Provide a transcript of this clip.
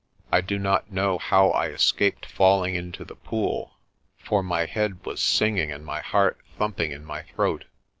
I do not know how I escaped falling into the pool, for my head was singing and my heart thumping in my throat.